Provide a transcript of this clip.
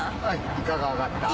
イカが揚がった。